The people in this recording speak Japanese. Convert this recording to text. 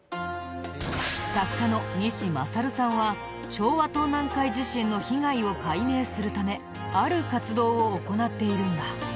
作家の西まさるさんは昭和東南海地震の被害を解明するためある活動を行っているんだ。